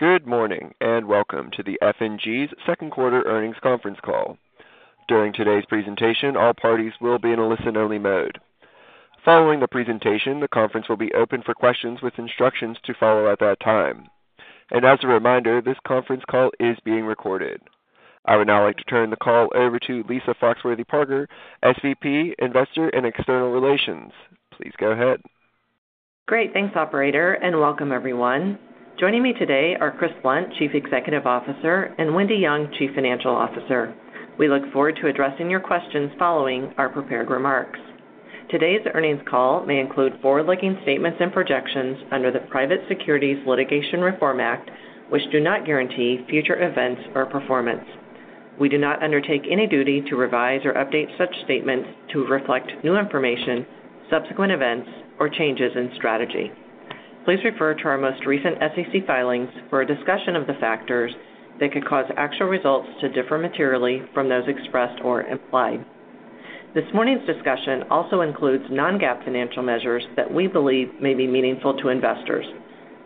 Good morning, and welcome to the F&G second quarter earnings conference call. During today's presentation, all parties will be in a listen-only mode. Following the presentation, the conference will be open for questions with instructions to follow at that time. As a reminder, this conference call is being recorded. I would now like to turn the call over to Lisa Foxworthy-Parker, SVP, Investor and External Relations. Please go ahead. Great! Thanks, operator, and welcome everyone. Joining me today are Chris Blunt, Chief Executive Officer, and Wendy Young, Chief Financial Officer. We look forward to addressing your questions following our prepared remarks. Today's earnings call may include forward-looking statements and projections under the Private Securities Litigation Reform Act, which do not guarantee future events or performance. We do not undertake any duty to revise or update such statements to reflect new information, subsequent events, or changes in strategy. Please refer to our most recent SEC filings for a discussion of the factors that could cause actual results to differ materially from those expressed or implied. This morning's discussion also includes non-GAAP financial measures that we believe may be meaningful to investors.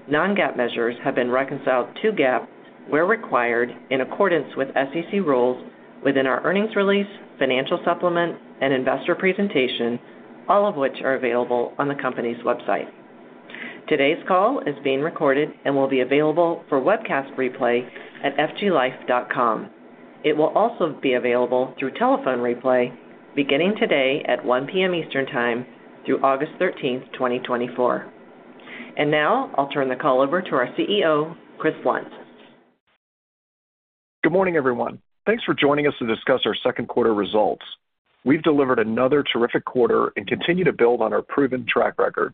Non-GAAP measures have been reconciled to GAAP, where required, in accordance with SEC rules within our earnings release, financial supplement and investor presentation, all of which are available on the company's website. Today's call is being recorded and will be available for webcast replay at fglife.com. It will also be available through telephone replay beginning today at 1:00 P.M. Eastern time through August thirteenth, 2024. Now I'll turn the call over to our CEO, Chris Blunt. Good morning, everyone. Thanks for joining us to discuss our second quarter results. We've delivered another terrific quarter and continue to build on our proven track record.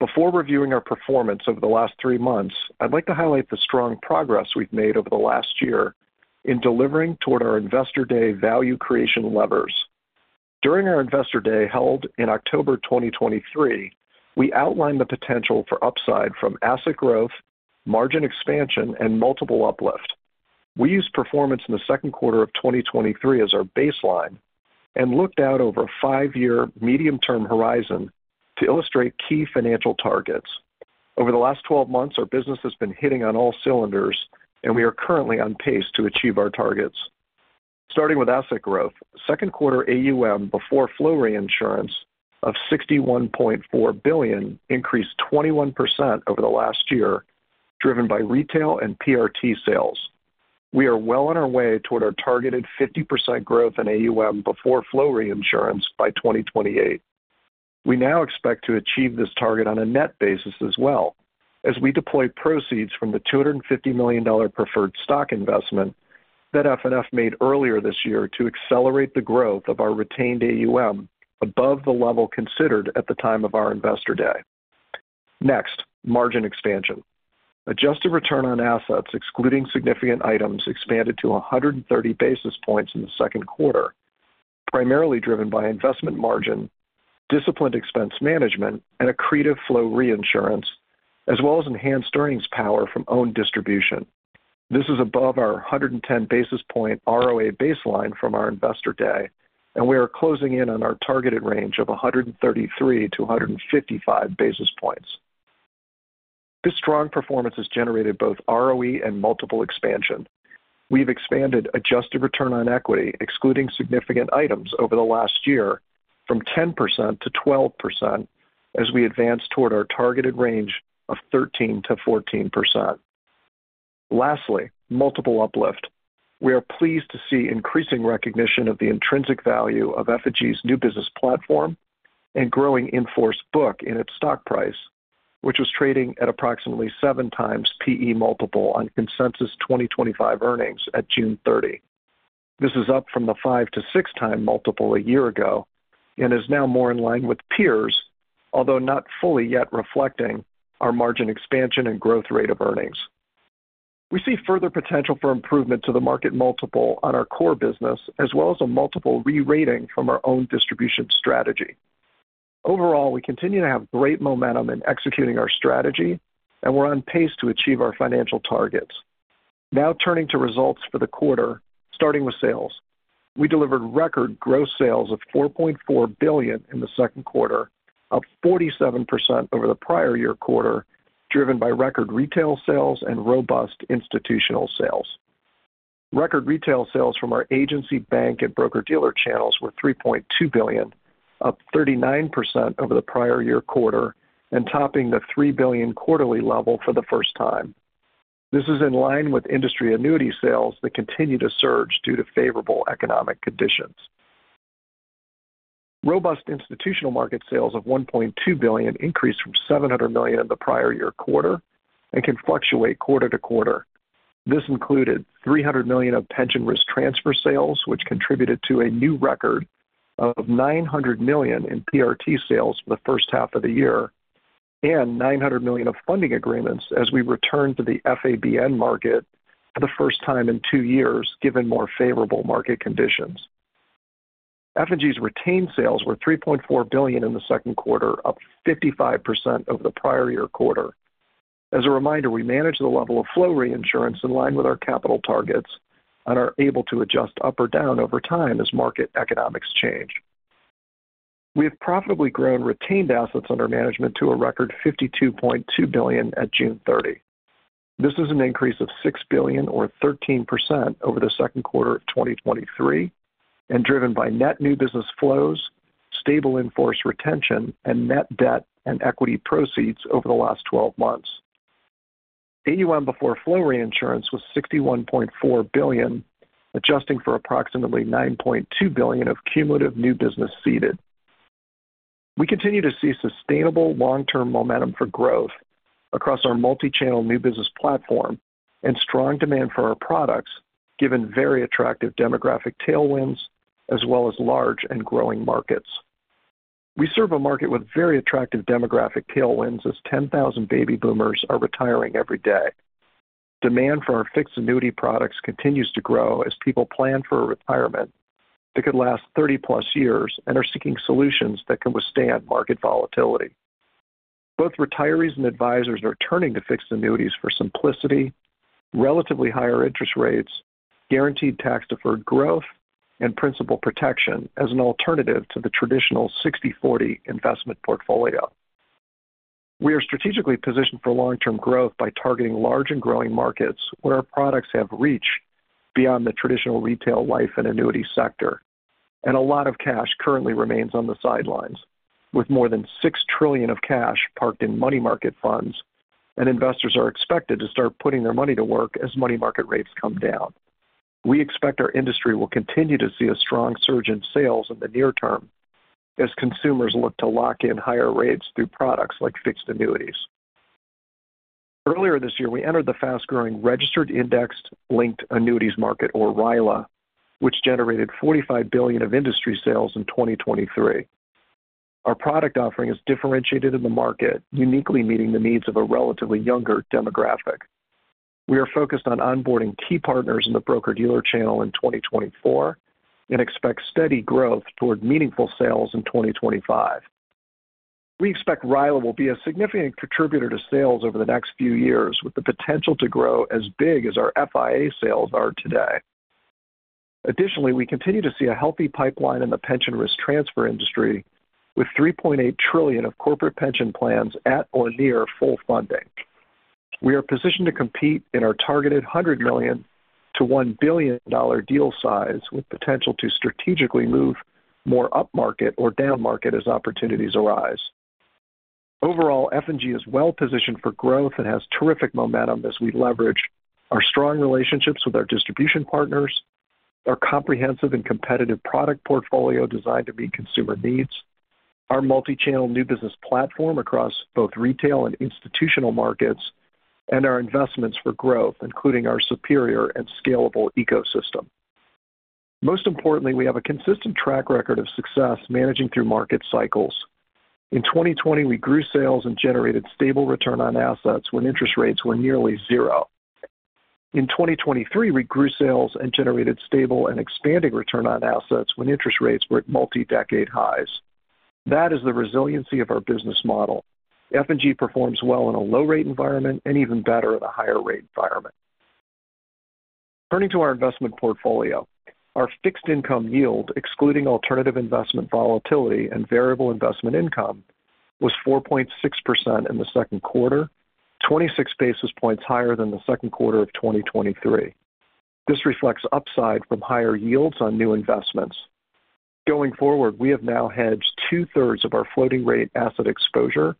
Before reviewing our performance over the last three months, I'd like to highlight the strong progress we've made over the last year in delivering toward our Investor Day value creation levers. During our Investor Day, held in October 2023, we outlined the potential for upside from asset growth, margin expansion, and multiple uplift. We used performance in the second quarter of 2023 as our baseline and looked out over a five-year medium-term horizon to illustrate key financial targets. Over the last 12 months, our business has been hitting on all cylinders, and we are currently on pace to achieve our targets. Starting with asset growth, second quarter AUM before flow reinsurance of $61.4 billion increased 21% over the last year, driven by retail and PRT sales. We are well on our way toward our targeted 50% growth in AUM before flow reinsurance by 2028. We now expect to achieve this target on a net basis as well, as we deploy proceeds from the $250 million preferred stock investment that FNF made earlier this year to accelerate the growth of our retained AUM above the level considered at the time of our Investor Day. Next, margin expansion. Adjusted return on assets, excluding significant items, expanded to 130 basis points in the second quarter, primarily driven by investment margin, disciplined expense management, and accretive flow reinsurance, as well as enhanced earnings power from own distribution. This is above our 110-basis point ROA baseline from our Investor Day, and we are closing in on our targeted range of 133-155 basis points. This strong performance has generated both ROE and multiple expansion. We've expanded adjusted return on equity, excluding significant items over the last year, from 10% to 12% as we advance toward our targeted range of 13%-14%. Lastly, multiple uplift. We are pleased to see increasing recognition of the intrinsic value of F&G's new business platform and growing in-force book in its stock price, which was trading at approximately 7x PE multiple on consensus 2025 earnings at June 30. This is up from the 5-6 times multiple a year ago and is now more in line with peers, although not fully yet reflecting our margin expansion and growth rate of earnings. We see further potential for improvement to the market multiple on our core business, as well as a multiple re-rating from our own distribution strategy. Overall, we continue to have great momentum in executing our strategy, and we're on pace to achieve our financial targets. Now, turning to results for the quarter, starting with sales. We delivered record gross sales of $4.4 billion in the second quarter, up 47% over the prior year quarter, driven by record retail sales and robust institutional sales. Record retail sales from our agency, bank, and broker-dealer channels were $3.2 billion, up 39% over the prior year quarter and topping the $3 billion quarterly level for the first time. This is in line with industry annuity sales that continue to surge due to favorable economic conditions. Robust institutional market sales of $1.2 billion increased from $700 million in the prior year quarter and can fluctuate quarter to quarter. This included $300 million of pension risk transfer sales, which contributed to a new record of $900 million in PRT sales for the first half of the year, and $900 million of funding agreements as we return to the FABN market for the first time in two years, given more favorable market conditions. F&G's retained sales were $3.4 billion in the second quarter, up 55% over the prior-year quarter. As a reminder, we manage the level of flow reinsurance in line with our capital targets and are able to adjust up or down over time as market economics change.... We have profitably grown retained assets under management to a record $52.2 billion at June 30. This is an increase of $6 billion, or 13%, over the second quarter of 2023, and driven by net new business flows, stable in-force retention, and net debt and equity proceeds over the last twelve months. AUM before flow reinsurance was $61.4 billion, adjusting for approximately $9.2 billion of cumulative new business ceded. We continue to see sustainable long-term momentum for growth across our multi-channel new business platform and strong demand for our products, given very attractive demographic tailwinds as well as large and growing markets. We serve a market with very attractive demographic tailwinds, as 10,000 baby boomers are retiring every day. Demand for our fixed annuity products continues to grow as people plan for a retirement that could last 30+ years and are seeking solutions that can withstand market volatility. Both retirees and advisors are turning to fixed annuities for simplicity, relatively higher interest rates, guaranteed tax-deferred growth, and principal protection as an alternative to the traditional 60/40 investment portfolio. We are strategically positioned for long-term growth by targeting large and growing markets where our products have reach beyond the traditional retail life and annuity sector, and a lot of cash currently remains on the sidelines, with more than $6 trillion of cash parked in money market funds, and investors are expected to start putting their money to work as money market rates come down. We expect our industry will continue to see a strong surge in sales in the near term as consumers look to lock in higher rates through products like fixed annuities. Earlier this year, we entered the fast-growing registered index-linked annuities market, or RILA, which generated $45 billion of industry sales in 2023. Our product offering is differentiated in the market, uniquely meeting the needs of a relatively younger demographic. We are focused on onboarding key partners in the broker-dealer channel in 2024 and expect steady growth toward meaningful sales in 2025. We expect RILA will be a significant contributor to sales over the next few years, with the potential to grow as big as our FIA sales are today. Additionally, we continue to see a healthy pipeline in the pension risk transfer industry, with $3.8 trillion of corporate pension plans at or near full funding. We are positioned to compete in our targeted $100 million-$1 billion deal size, with potential to strategically move more upmarket or downmarket as opportunities arise. Overall, F&G is well positioned for growth and has terrific momentum as we leverage our strong relationships with our distribution partners, our comprehensive and competitive product portfolio designed to meet consumer needs, our multi-channel new business platform across both retail and institutional markets, and our investments for growth, including our superior and scalable ecosystem. Most importantly, we have a consistent track record of success managing through market cycles. In 2020, we grew sales and generated stable return on assets when interest rates were nearly zero. In 2023, we grew sales and generated stable and expanding return on assets when interest rates were at multi-decade highs. That is the resiliency of our business model. F&G performs well in a low-rate environment and even better at a higher rate environment. Turning to our investment portfolio, our fixed income yield, excluding alternative investment volatility and variable investment income, was 4.6% in the second quarter, 26 basis points higher than the second quarter of 2023. This reflects upside from higher yields on new investments. Going forward, we have now hedged two-thirds of our floating rate asset exposure,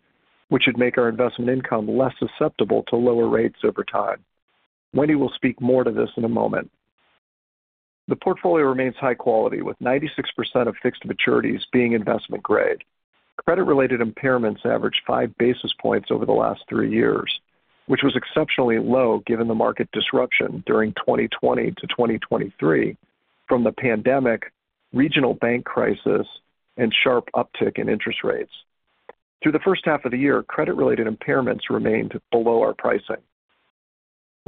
which should make our investment income less susceptible to lower rates over time. Wendy will speak more to this in a moment. The portfolio remains high quality, with 96% of fixed maturities being investment grade. Credit-related impairments averaged 5 basis points over the last 3 years, which was exceptionally low given the market disruption during 2020 to 2023 from the pandemic, regional bank crisis, and sharp uptick in interest rates. Through the first half of the year, credit-related impairments remained below our pricing.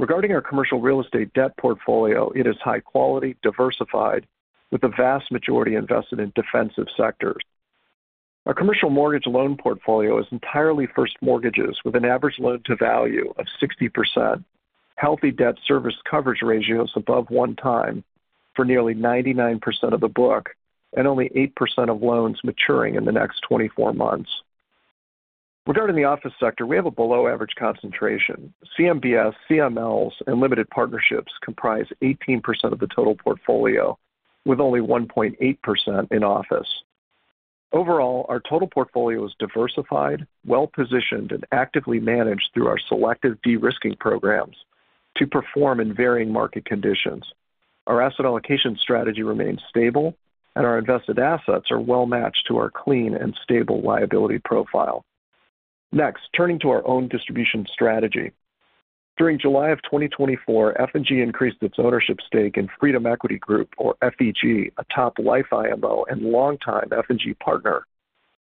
Regarding our commercial real estate debt portfolio, it is high quality, diversified, with the vast majority invested in defensive sectors. Our commercial mortgage loan portfolio is entirely first mortgages, with an average loan-to-value of 60%, healthy debt service coverage ratios above 1 time for nearly 99% of the book, and only 8% of loans maturing in the next 24 months. Regarding the office sector, we have a below-average concentration. CMBS, CMLs, and limited partnerships comprise 18% of the total portfolio, with only 1.8% in office. Overall, our total portfolio is diversified, well-positioned, and actively managed through our selective de-risking programs to perform in varying market conditions. Our asset allocation strategy remains stable, and our invested assets are well matched to our clean and stable liability profile. Next, turning to our own distribution strategy. During July of 2024, F&G increased its ownership stake in Freedom Equity Group, or FEG, a top life IMO and longtime F&G partner,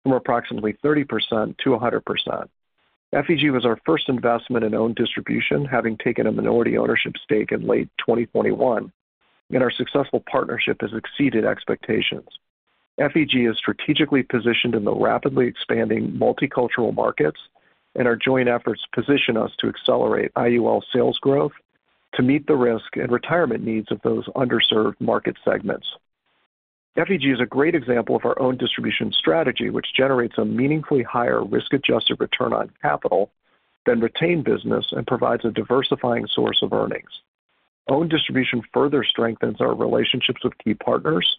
from approximately 30% to 100%. FEG was our first investment in own distribution, having taken a minority ownership stake in late 2021, and our successful partnership has exceeded expectations. FEG is strategically positioned in the rapidly expanding multicultural markets, and our joint efforts position us to accelerate IUL sales growth, to meet the risk and retirement needs of those underserved market segments. FEG is a great example of our own distribution strategy, which generates a meaningfully higher risk-adjusted return on capital than retained business and provides a diversifying source of earnings. Own distribution further strengthens our relationships with key partners,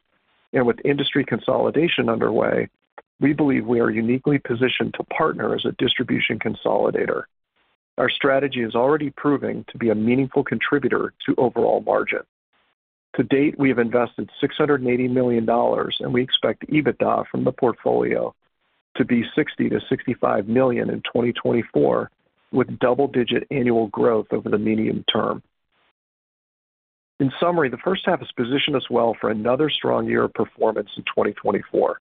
and with industry consolidation underway, we believe we are uniquely positioned to partner as a distribution consolidator. Our strategy is already proving to be a meaningful contributor to overall margin. To date, we have invested $680 million, and we expect EBITDA from the portfolio to be $60 million-$65 million in 2024, with double-digit annual growth over the medium term. In summary, the first half has positioned us well for another strong year of performance in 2024.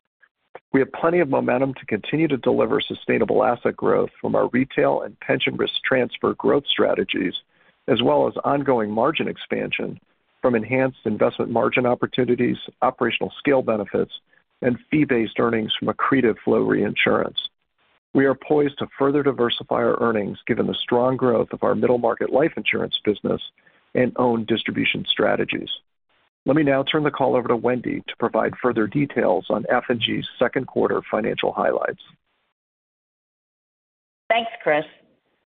We have plenty of momentum to continue to deliver sustainable asset growth from our retail and pension risk transfer growth strategies, as well as ongoing margin expansion from enhanced investment margin opportunities, operational scale benefits, and fee-based earnings from accretive flow reinsurance. We are poised to further diversify our earnings, given the strong growth of our middle market life insurance business and own distribution strategies. Let me now turn the call over to Wendy to provide further details on F&G second quarter financial highlights. Thanks, Chris.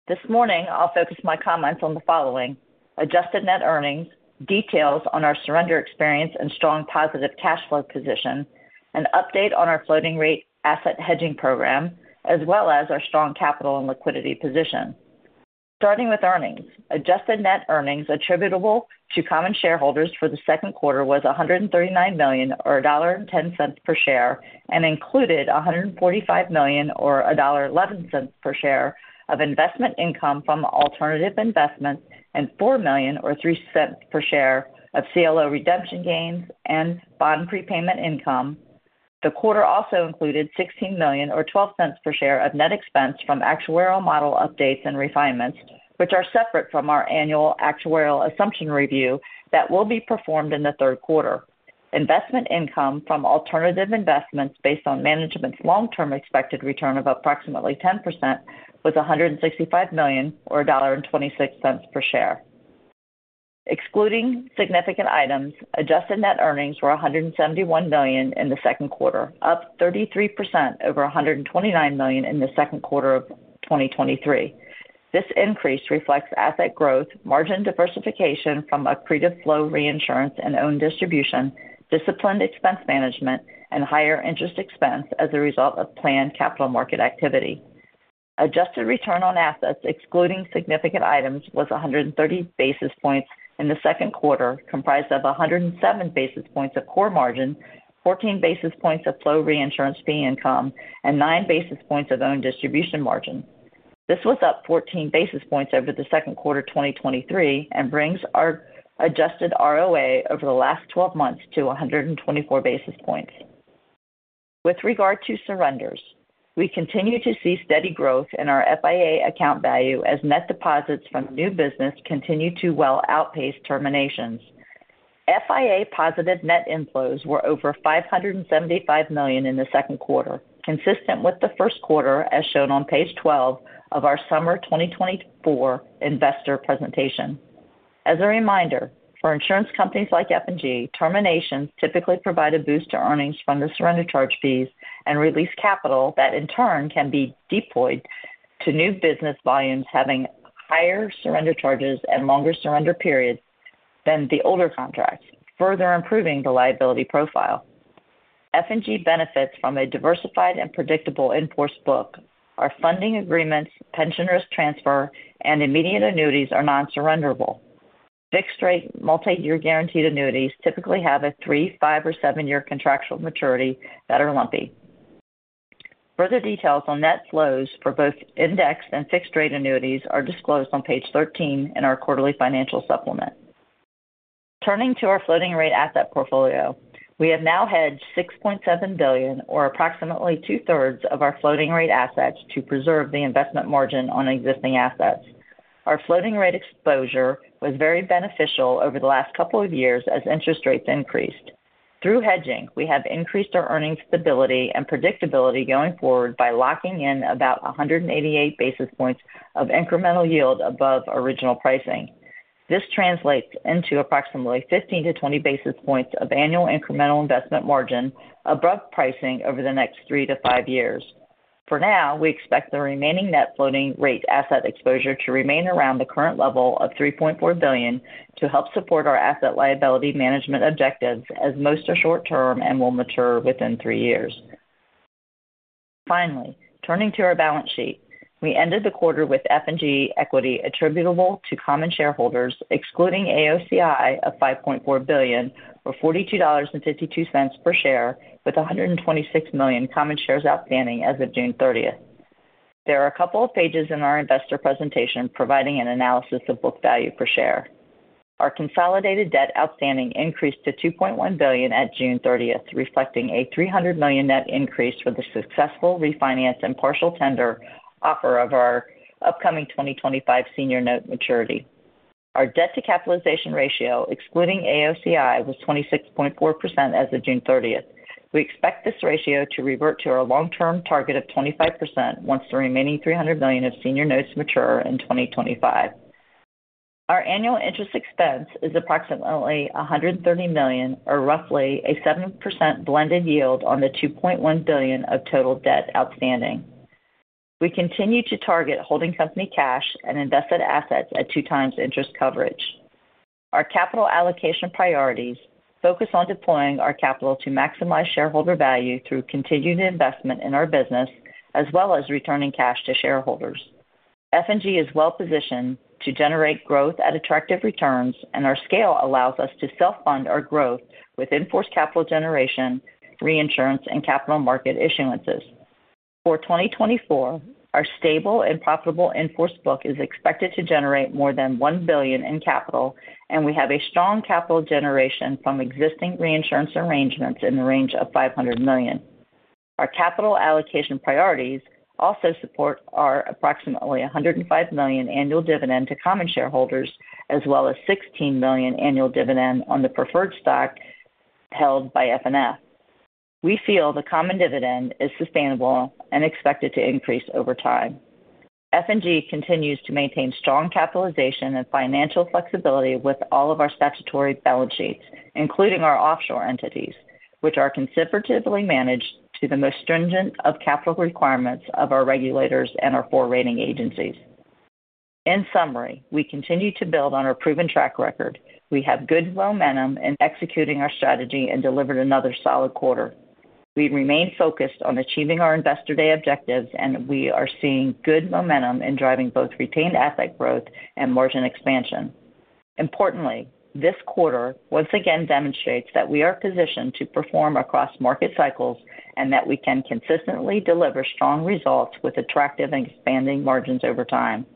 This morning, I'll focus my comments on the following: adjusted net earnings, details on our surrender experience and strong positive cash flow position, an update on our floating rate asset hedging program, as well as our strong capital and liquidity position. Starting with earnings. Adjusted net earnings attributable to common shareholders for the second quarter was $139 million, or $1.10 per share, and included $145 million, or $1.11 per share, of investment income from alternative investments, and $4 million, or $0.03 per share, of CLO redemption gains and bond prepayment income. The quarter also included $16 million, or $0.12 per share, of net expense from actuarial model updates and refinements, which are separate from our annual actuarial assumption review that will be performed in the third quarter. Investment income from alternative investments based on management's long-term expected return of approximately 10% was $165 million, or $1.26 per share. Excluding significant items, adjusted net earnings were $171 million in the second quarter, up 33% over $129 million in the second quarter of 2023. This increase reflects asset growth, margin diversification from accretive flow reinsurance and own distribution, disciplined expense management, and higher interest expense as a result of planned capital market activity. Adjusted return on assets, excluding significant items, was 130 basis points in the second quarter, comprised of 107 basis points of core margin, 14 basis points of flow reinsurance fee income, and 9 basis points of own distribution margin. This was up 14 basis points over the second quarter of 2023 and brings our adjusted ROA over the last 12 months to 124 basis points. With regard to surrenders, we continue to see steady growth in our FIA account value as net deposits from new business continue to well outpace terminations. FIA positive net inflows were over $575 million in the second quarter, consistent with the first quarter, as shown on page 12 of our summer 2024 investor presentation. As a reminder, for insurance companies like F&G, terminations typically provide a boost to earnings from the surrender charge fees and release capital that, in turn, can be deployed to new business volumes having higher surrender charges and longer surrender periods than the older contracts, further improving the liability profile. F&G benefits from a diversified and predictable in-force book. Our funding agreements, pension risk transfer, and immediate annuities are non-surrenderable. Fixed-rate, multi-year guarantee annuities typically have a 3-, 5-, or 7-year contractual maturity that are lumpy. Further details on net flows for both indexed and fixed-rate annuities are disclosed on page 13 in our quarterly financial supplement. Turning to our floating rate asset portfolio, we have now hedged $6.7 billion, or approximately two-thirds of our floating rate assets, to preserve the investment margin on existing assets. Our floating rate exposure was very beneficial over the last couple of years as interest rates increased. Through hedging, we have increased our earnings stability and predictability going forward by locking in about 188 basis points of incremental yield above original pricing. This translates into approximately 15-20 basis points of annual incremental investment margin above pricing over the next 3-5 years. For now, we expect the remaining net floating rate asset exposure to remain around the current level of $3.4 billion to help support our asset liability management objectives, as most are short-term and will mature within three years. Finally, turning to our balance sheet. We ended the quarter with F&G equity attributable to common shareholders, excluding AOCI, of $5.4 billion, or $42.52 per share, with 126 million common shares outstanding as of June 30. There are a couple of pages in our investor presentation providing an analysis of book value per share. Our consolidated debt outstanding increased to $2.1 billion at June 30, reflecting a $300 million net increase for the successful refinance and partial tender offer of our upcoming 2025 senior note maturity. Our debt to capitalization ratio, excluding AOCI, was 26.4% as of June 30th. We expect this ratio to revert to our long-term target of 25% once the remaining $300 million of senior notes mature in 2025. Our annual interest expense is approximately $130 million, or roughly a 7% blended yield on the $2.1 billion of total debt outstanding. We continue to target holding company cash and invested assets at 2x interest coverage. Our capital allocation priorities focus on deploying our capital to maximize shareholder value through continued investment in our business, as well as returning cash to shareholders. F&G is well-positioned to generate growth at attractive returns, and our scale allows us to self-fund our growth with enforced capital generation, reinsurance, and capital market issuances. For 2024, our stable and profitable enforced book is expected to generate more than $1 billion in capital, and we have a strong capital generation from existing reinsurance arrangements in the range of $500 million. Our capital allocation priorities also support our approximately $105 million annual dividend to common shareholders, as well as $16 million annual dividend on the preferred stock held by FNF. We feel the common dividend is sustainable and expected to increase over time. F&G continues to maintain strong capitalization and financial flexibility with all of our statutory balance sheets, including our offshore entities, which are considerably managed to the most stringent of capital requirements of our regulators and our four rating agencies. In summary, we continue to build on our proven track record. We have good momentum in executing our strategy and delivered another solid quarter. We remain focused on achieving our Investor Day objectives, and we are seeing good momentum in driving both retained asset growth and margin expansion. Importantly, this quarter once again demonstrates that we are positioned to perform across market cycles and that we can consistently deliver strong results with attractive and expanding margins over time.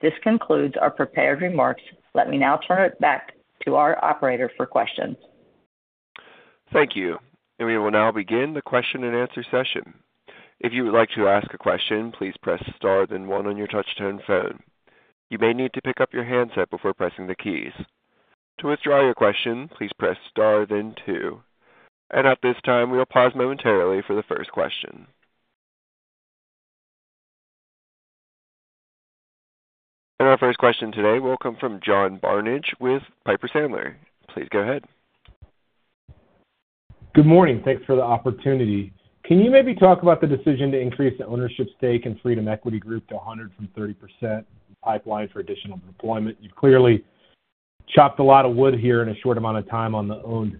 This concludes our prepared remarks. Let me now turn it back to our operator for questions. Thank you, and we will now begin the question-and-answer session. If you would like to ask a question, please press star, then one on your touch-tone phone. You may need to pick up your handset before pressing the keys. To withdraw your question, please press star, then two. And at this time, we will pause momentarily for the first question. And our first question today will come from John Barnidge with Piper Sandler. Please go ahead. Good morning. Thanks for the opportunity. Can you maybe talk about the decision to increase the ownership stake in Freedom Equity Group to 100 from 30% pipeline for additional deployment? You've clearly chopped a lot of wood here in a short amount of time on the owned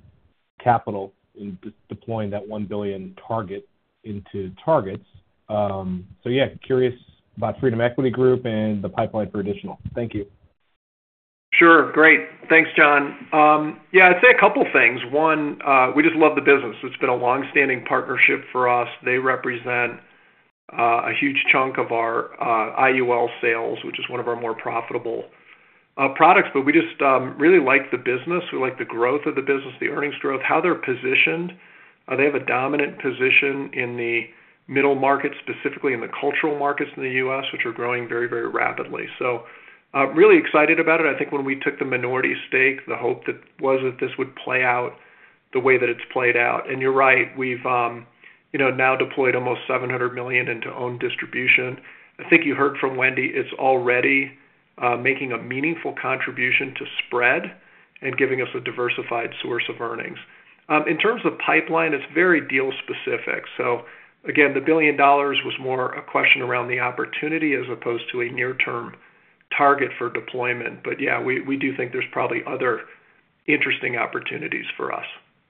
capital in deploying that $1 billion target into targets. So yeah, curious about Freedom Equity Group and the pipeline for additional. Thank you. Sure. Great. Thanks, John. Yeah, I'd say a couple things. One, we just love the business. It's been a long-standing partnership for us. They represent a huge chunk of our IUL sales, which is one of our more profitable products, but we just really like the business. We like the growth of the business, the earnings growth, how they're positioned. They have a dominant position in the middle market, specifically in the cultural markets in the US, which are growing very, very rapidly. So, really excited about it. I think when we took the minority stake, the hope that was that this would play out the way that it's played out. And you're right, we've you know now deployed almost $700 million into owned distribution. I think you heard from Wendy, it's already making a meaningful contribution to spread and giving us a diversified source of earnings. In terms of pipeline, it's very deal specific. So again, the $1 billion was more a question around the opportunity as opposed to a near-term target for deployment. But yeah, we do think there's probably other interesting opportunities for us,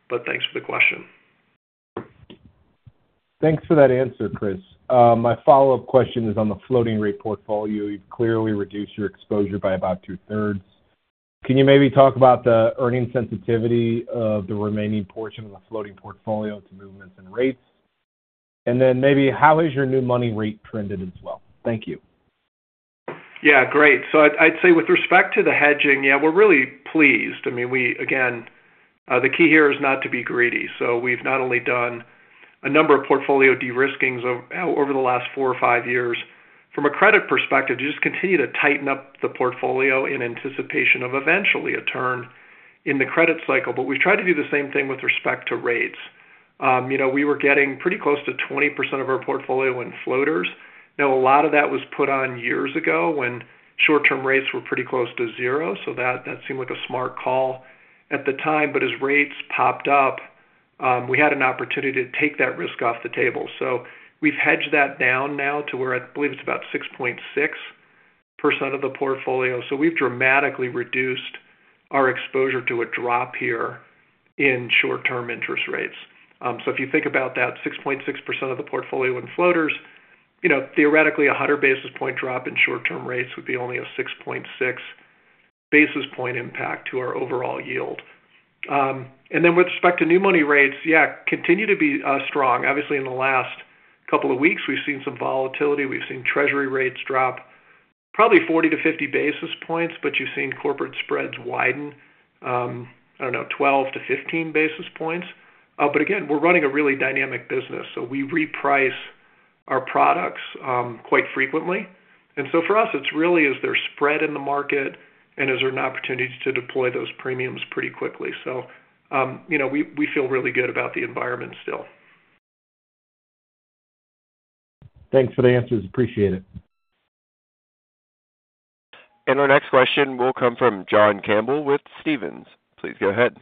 but thanks for the question. Thanks for that answer, Chris. My follow-up question is on the floating rate portfolio. You've clearly reduced your exposure by about two-thirds. Can you maybe talk about the earning sensitivity of the remaining portion of the floating portfolio to movements in rates? And then maybe how has your new money rate trended as well? Thank you. Yeah, great. So I'd say with respect to the hedging, yeah, we're really pleased. I mean, again, the key here is not to be greedy. So we've not only done a number of portfolio de-riskings over the last 4 or 5 years. From a credit perspective, you just continue to tighten up the portfolio in anticipation of eventually a turn in the credit cycle. But we've tried to do the same thing with respect to rates. You know, we were getting pretty close to 20% of our portfolio in floaters. Now, a lot of that was put on years ago, when short-term rates were pretty close to 0, so that seemed like a smart call at the time. But as rates popped up, we had an opportunity to take that risk off the table. So we've hedged that down now to where I believe it's about 6.6% of the portfolio. So we've dramatically reduced our exposure to a drop here in short-term interest rates. So if you think about that 6.6% of the portfolio in floaters, you know, theoretically, 100 basis point drop in short-term rates would be only a 6.6 basis point impact to our overall yield. And then with respect to new money rates, yeah, continue to be strong. Obviously, in the last couple of weeks, we've seen some volatility. We've seen Treasury rates drop probably 40-50 basis points, but you've seen corporate spreads widen, I don't know, 12-15 basis points. But again, we're running a really dynamic business, so we reprice our products quite frequently. And so for us, it's really is there spread in the market, and is there an opportunity to deploy those premiums pretty quickly? So, you know, we feel really good about the environment still. Thanks for the answers. Appreciate it. Our next question will come from John Campbell with Stephens. Please go ahead.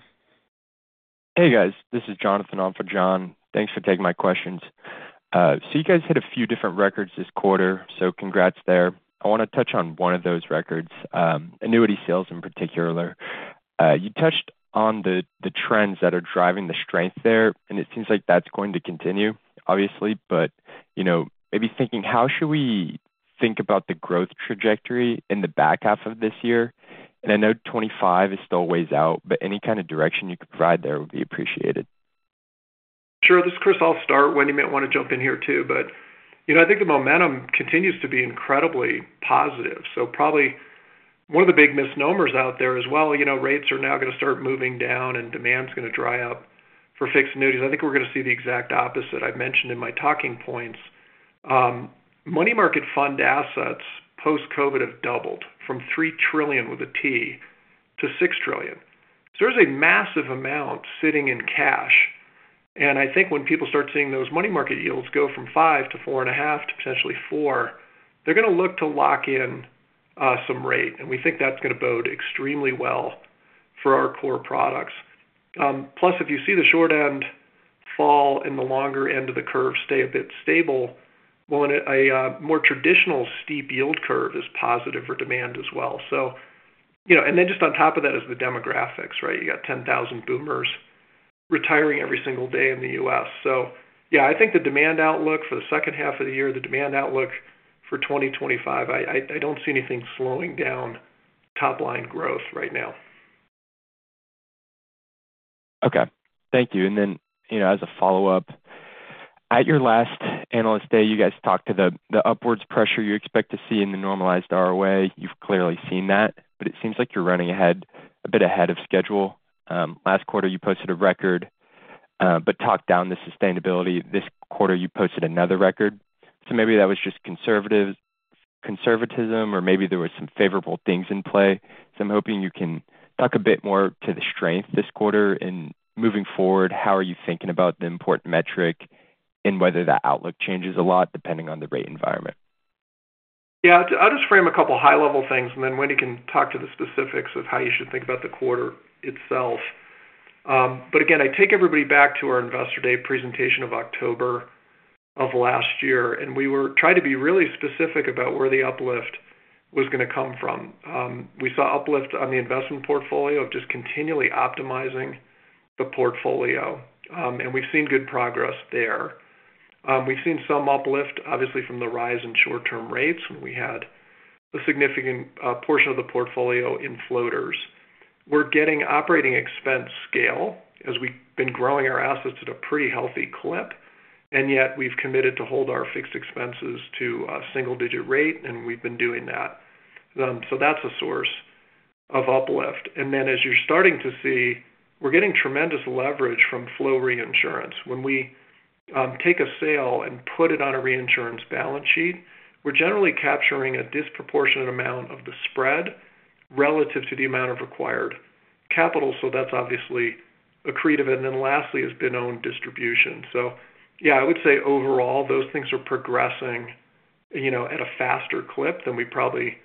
Hey, guys. This is Jonathan on for John. Thanks for taking my questions. So you guys hit a few different records this quarter, so congrats there. I want to touch on one of those records, annuity sales in particular. You touched on the trends that are driving the strength there, and it seems like that's going to continue, obviously, but, you know, maybe thinking, how should we think about the growth trajectory in the back half of this year? And I know 2025 is still ways out, but any kind of direction you could provide there would be appreciated. Sure. This is Chris. I'll start. Wendy may want to jump in here, too. But, you know, I think the momentum continues to be incredibly positive. So, probably one of the big misnomers out there is, well, you know, rates are now going to start moving down, and demand is going to dry up for fixed annuities. I think we're going to see the exact opposite. I've mentioned in my talking points, money market fund assets, post-COVID, have doubled from $3 trillion with a T to $6 trillion. So, there's a massive amount sitting in cash, and I think when people start seeing those money market yields go from 5% to 4.5% to potentially 4%, they're going to look to lock in some rate, and we think that's going to bode extremely well for our core products. Plus, if you see the short end fall and the longer end of the curve stay a bit stable, well, and a more traditional steep yield curve is positive for demand as well. So, you know, and then just on top of that is the demographics, right? You got 10,000 boomers retiring every single day in the US. So yeah, I think the demand outlook for the second half of the year, the demand outlook for 2025, I don't see anything slowing down top line growth right now. Okay. Thank you. And then, you know, as a follow-up, at your last Analyst Day, you guys talked to the upwards pressure you expect to see in the normalized ROA. You've clearly seen that, but it seems like you're running ahead, a bit ahead of schedule. Last quarter, you posted a record but talked down the sustainability. This quarter, you posted another record. So maybe that was just conservatism, or maybe there were some favorable things in play. So, I'm hoping you can talk a bit more to the strength this quarter and moving forward, how are you thinking about the important metric and whether that outlook changes a lot depending on the rate environment? Yeah, I'll just frame a couple of high-level things, and then Wendy can talk to the specifics of how you should think about the quarter itself. But again, I take everybody back to our Investor Day presentation of October of last year, and we were trying to be really specific about where the uplift was going to come from. We saw uplift on the investment portfolio of just continually optimizing the portfolio, and we've seen good progress there. We've seen some uplift, obviously, from the rise in short-term rates, when we had a significant portion of the portfolio in floaters. We're getting operating expense scale as we've been growing our assets at a pretty healthy clip, and yet we've committed to hold our fixed expenses to a single-digit rate, and we've been doing that. So that's a source of uplift. And then, as you're starting to see, we're getting tremendous leverage from flow reinsurance. When we take a sale and put it on a reinsurance balance sheet, we're generally capturing a disproportionate amount of the spread relative to the amount of required capital, so that's obviously accretive. And then lastly, has been own distribution. So yeah, I would say overall, those things are progressing, you know, at a faster clip than we probably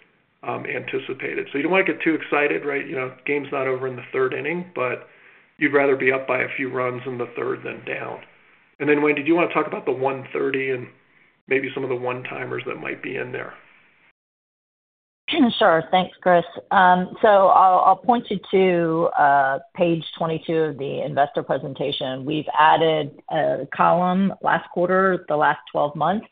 anticipated. So, you don't want to get too excited, right? You know, game's not over in the third inning, but you'd rather be up by a few runs in the third than down. And then, Wendy, did you want to talk about the 130 and maybe some of the one-timers that might be in there? Sure. Thanks, Chris. So I'll point you to page 22 of the investor presentation. We've added a column last quarter, the last twelve months,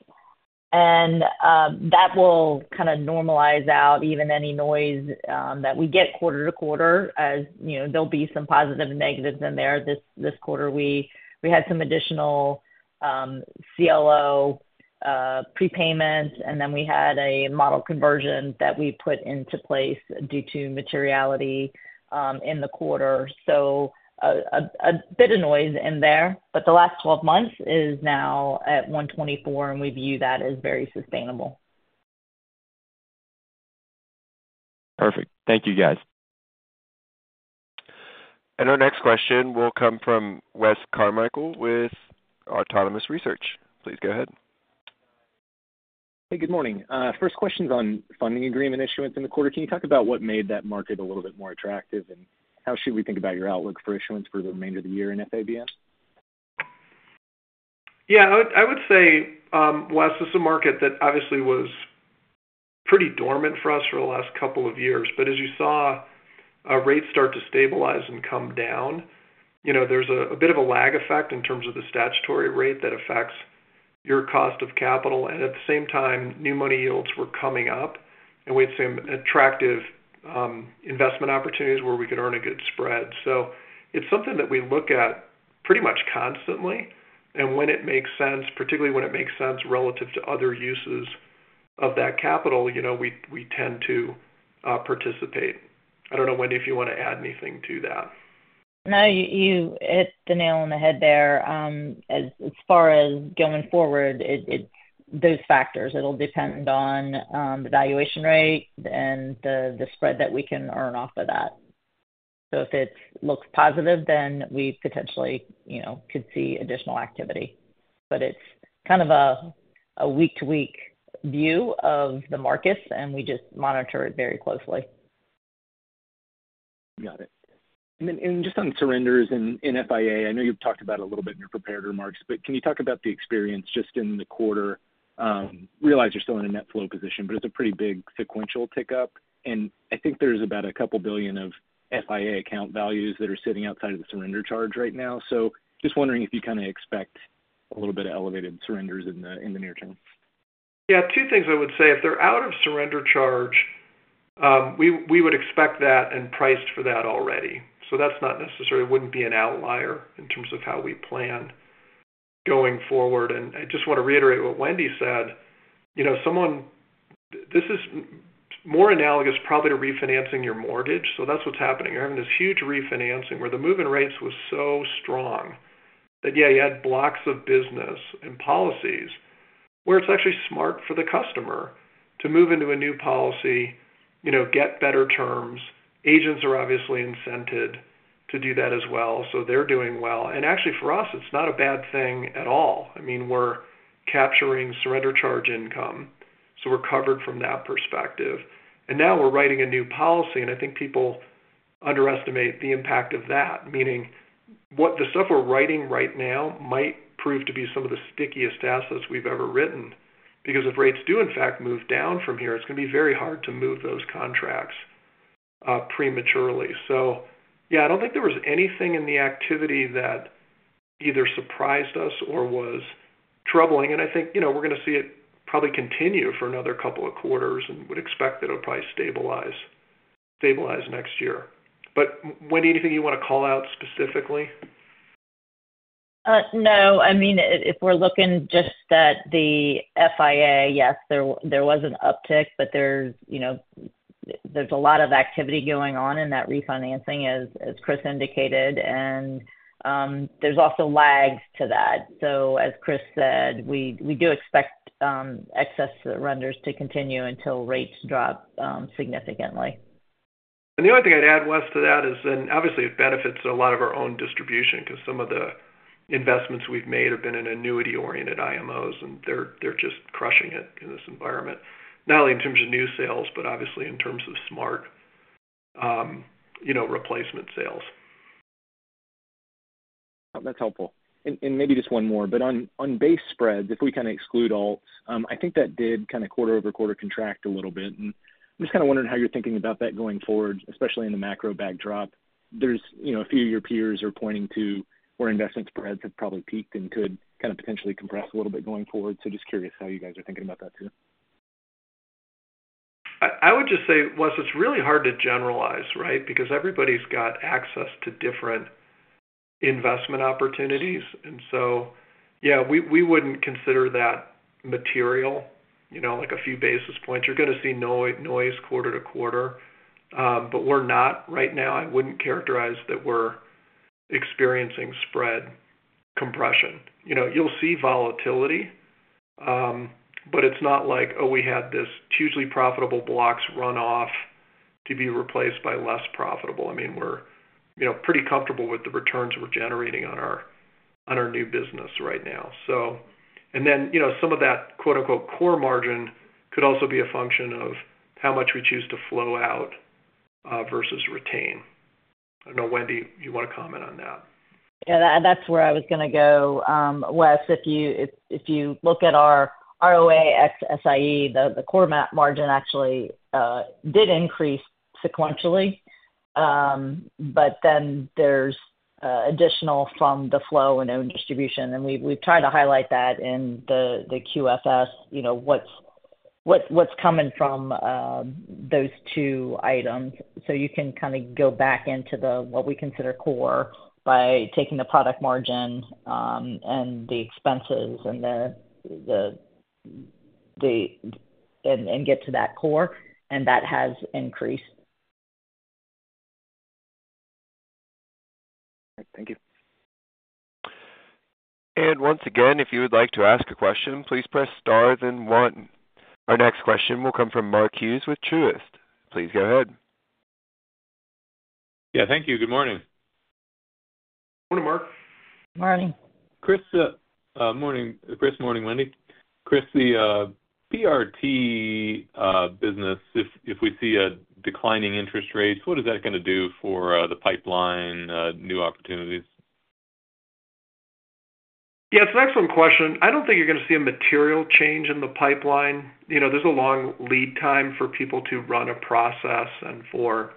and that will kind of normalize out even any noise that we get quarter to quarter. As you know, there'll be some positives and negatives in there. This quarter, we had some additional CLO prepayment, and then we had a model conversion that we put into place due to materiality in the quarter. So a bit of noise in there, but the last twelve months is now at 124, and we view that as very sustainable. Perfect. Thank you, guys. Our next question will come from Wes Carmichael with Autonomous Research. Please go ahead. Hey, good morning. First question is on funding agreement issuance in the quarter. Can you talk about what made that market a little bit more attractive, and how should we think about your outlook for issuance for the remainder of the year in FABN? Yeah, I would, I would say, Wes, this is a market that obviously was pretty dormant for us for the last couple of years, but as you saw, rates start to stabilize and come down, you know, there's a bit of a lag effect in terms of the statutory rate that affects your cost of capital, and at the same time, new money yields were coming up, and we had some attractive investment opportunities where we could earn a good spread. So it's something that we look at pretty much constantly, and when it makes sense, particularly when it makes sense relative to other uses of that capital, you know, we tend to participate. I don't know, Wendy, if you want to add anything to that? No, you hit the nail on the head there. As far as going forward, it, those factors, it'll depend on the valuation rate and the spread that we can earn off of that. So if it looks positive, then we potentially, you know, could see additional activity. But it's kind of a week-to-week view of the markets, and we just monitor it very closely. Got it. And then just on surrenders in FIA, I know you've talked about it a little bit in your prepared remarks, but can you talk about the experience just in the quarter? Realize you're still in a net flow position, but it's a pretty big sequential tick up, and I think there's about $2 billion of FIA account values that are sitting outside of the surrender charge right now. So just wondering if you kind of expect a little bit of elevated surrenders in the near term. Yeah, two things I would say. If they're out of surrender charge, we would expect that and priced for that already. So that's not necessarily-- wouldn't be an outlier in terms of how we plan going forward. And I just want to reiterate what Wendy said. You know, someone-- this is more analogous probably to refinancing your mortgage, so that's what's happening. You're having this huge refinancing where the move-in rates was so strong that, yeah, you had blocks of business and policies where it's actually smart for the customer to move into a new policy, you know, get better terms. Agents are obviously incented to do that as well, so they're doing well. And actually, for us, it's not a bad thing at all. I mean, we're capturing surrender charge income, so we're covered from that perspective. Now we're writing a new policy, and I think people underestimate the impact of that, meaning what the stuff we're writing right now might prove to be some of the stickiest assets we've ever written. Because if rates do, in fact, move down from here, it's going to be very hard to move those contracts prematurely. So, yeah, I don't think there was anything in the activity that either surprised us or was troubling. And I think, you know, we're going to see it probably continue for another couple of quarters and would expect that it'll probably stabilize next year. But, Wendy, anything you want to call out specifically? No. I mean, if we're looking just at the FIA, yes, there was an uptick, but there's, you know, there's a lot of activity going on in that refinancing, as Chris indicated, and there's also lags to that. So as Chris said, we do expect excess surrenders to continue until rates drop significantly. The only thing I'd add, Wes, to that is then, obviously, it benefits a lot of our own distribution because some of the investments we've made have been in annuity-oriented IMOs, and they're just crushing it in this environment, not only in terms of new sales, but obviously in terms of smart, you know, replacement sales. That's helpful. And maybe just one more, but on base spreads, if we kind of exclude alts, I think that did kind of quarter-over-quarter contract a little bit, and I'm just kind of wondering how you're thinking about that going forward, especially in the macro backdrop. There's, you know, a few of your peers are pointing to where investment spreads have probably peaked and could kind of potentially compress a little bit going forward. So just curious how you guys are thinking about that too. I would just say, Wes, it's really hard to generalize, right? Because everybody's got access to different investment opportunities. And so, yeah, we wouldn't consider that material, you know, like a few basis points. You're going to see noise quarter to quarter, but we're not right now, I wouldn't characterize that we're experiencing spread compression. You know, you'll see volatility, but it's not like, oh, we had this hugely profitable blocks run off to be replaced by less profitable. I mean, we're, you know, pretty comfortable with the returns we're generating on our, on our new business right now. So... And then, you know, some of that quote, unquote, "core margin" could also be a function of how much we choose to flow out versus retain. I don't know, Wendy, you want to comment on that. Yeah, that, that's where I was going to go. Wes, if you look at our ROA ex SI, the core margin actually did increase sequentially. But then there's additional from the flow and own distribution, and we've tried to highlight that in the QFS, you know, what's coming from those two items. So, you can kind of go back into what we consider core by taking the product margin and the expenses and the and get to that core, and that has increased. Thank you. Once again, if you would like to ask a question, please press star, then 1. Our next question will come from Mark Hughes with Truist. Please go ahead. Yeah, thank you. Good morning. Morning, Mark. Morning. Chris, morning, Chris. Morning, Wendy. Chris, the PRT business, if we see declining interest rates, what is that going to do for the pipeline, new opportunities? Yeah, it's an excellent question. I don't think you're going to see a material change in the pipeline. You know, there's a long lead time for people to run a process and for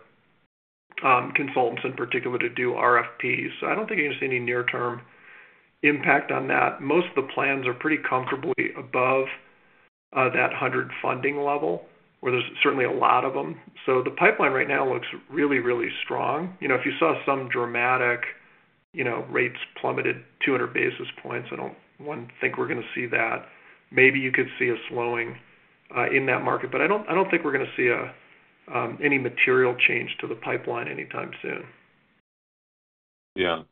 consultants in particular to do RFPs. So, I don't think you're going to see any near-term impact on that. Most of the plans are pretty comfortably above that 100-funding level, where there's certainly a lot of them. So, the pipeline right now looks really, really strong. You know, if you saw some dramatic, you know, rates plummeted 200 basis points. I don't think we're gonna see that. Maybe you could see a slowing in that market, but I don't think we're gonna see any material change to the pipeline anytime soon. Yeah.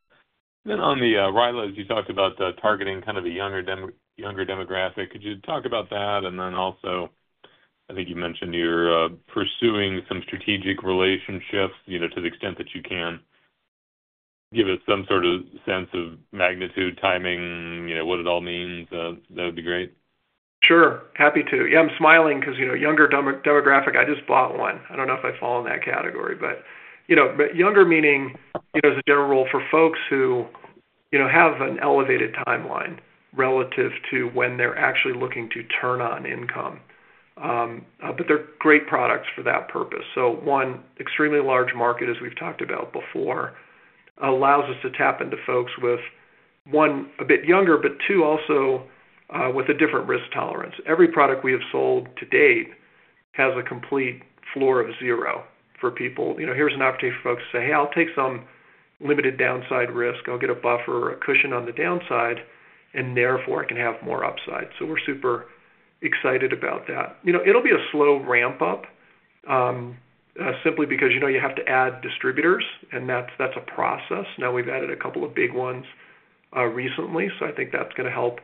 Then on the RILA, as you talked about, targeting kind of a younger younger demographic, could you talk about that? And then also, I think you mentioned you're pursuing some strategic relationships, you know, to the extent that you can. Give us some sort of sense of magnitude, timing, you know, what it all means. That would be great. Sure. Happy to. Yeah, I'm smiling 'cause, you know, younger demographic, I just bought one. I don't know if I fall in that category, but, you know, but younger meaning, you know, as a general rule, for folks who, you know, have an elevated timeline relative to when they're actually looking to turn on income. But they're great products for that purpose. So, one extremely large market, as we've talked about before, allows us to tap into folks with, one, a bit younger, but two, also, with a different risk tolerance. Every product we have sold to date has a complete floor of zero for people. You know, here's an opportunity for folks to say, "Hey, I'll take some limited downside risk. I'll get a buffer or a cushion on the downside, and therefore I can have more upside." So, we're super excited about that. You know, it'll be a slow ramp-up, simply because, you know, you have to add distributors, and that's, that's a process. Now, we've added a couple of big ones, recently, so I think that's gonna help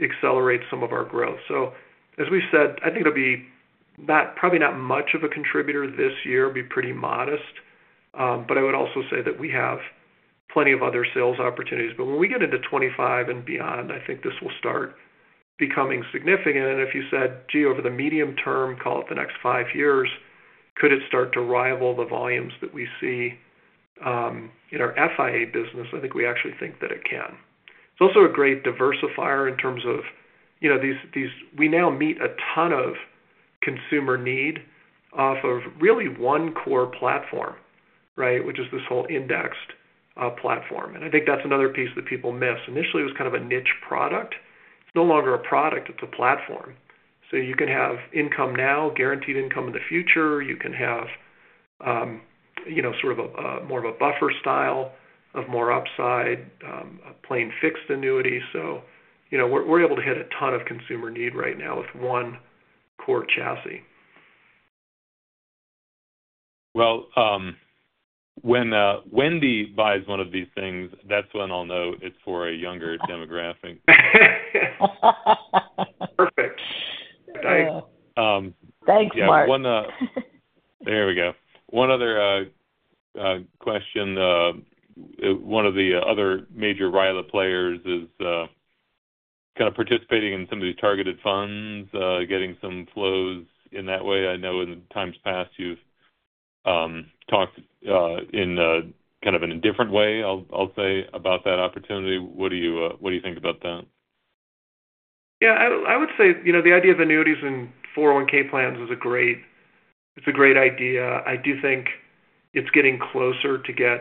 accelerate some of our growth. So, as we said, I think it'll be probably not much of a contributor this year, it'll be pretty modest, but I would also say that we have plenty of other sales opportunities. But when we get into 25 and beyond, I think this will start becoming significant. And if you said, gee, over the medium term, call it the next five years, could it start to rival the volumes that we see, in our FIA business? I think we actually think that it can. It's also a great diversifier in terms of, you know, these, these... We now meet a ton of consumer need off of really one core platform, right? Which is this whole indexed platform. And I think that's another piece that people miss. Initially, it was kind of a niche product. It's no longer a product, it's a platform. So, you can have income now, guaranteed income in the future. You can have, you know, sort of a more of a buffer style of more upside, a plain fixed annuity. So, you know, we're able to hit a ton of consumer need right now with one core chassis. Well, when Wendy buys one of these things, that's when I'll know it's for a younger demographic. Perfect. Thanks, Mark. There we go. One other question. One of the other major RILA players is kind of participating in some of these target date funds, getting some flows in that way. I know in times past you've talked in a kind of an indifferent way, I'll say, about that opportunity. What do you think about that? Yeah, I would say, you know, the idea of annuities and 401(k) plans is a great, it's a great idea. I do think it's getting closer to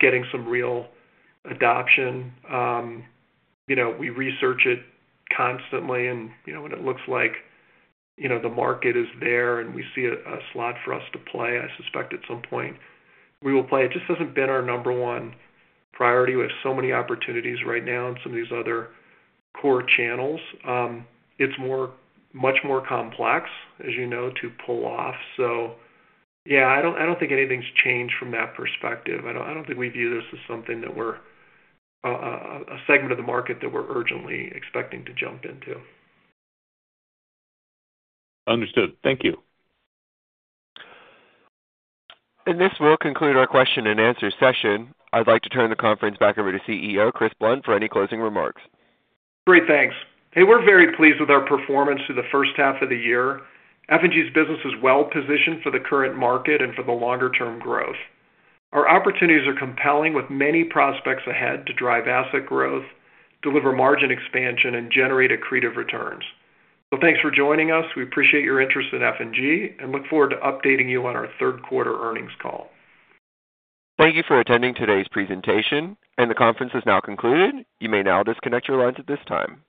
getting some real adoption. You know, we research it constantly, and, you know, when it looks like, you know, the market is there, and we see a slot for us to play, I suspect at some point we will play. It just hasn't been our number one priority. We have so many opportunities right now in some of these other core channels. It's much more complex, as you know, to pull off. So yeah, I don't think anything's changed from that perspective. I don't think we view this as something that we're a segment of the market that we're urgently expecting to jump into. Understood. Thank you. This will conclude our question-and-answer session. I'd like to turn the conference back over to CEO, Chris Blunt, for any closing remarks. Great, thanks. Hey, we're very pleased with our performance through the first half of the year. F&G business is well positioned for the current market and for the longer-term growth. Our opportunities are compelling, with many prospects ahead to drive asset growth, deliver margin expansion, and generate accretive returns. So, thanks for joining us. We appreciate your interest in F&G and look forward to updating you on our third quarter earnings call. Thank you for attending today's presentation, and the conference has now concluded. You may now disconnect your lines at this time.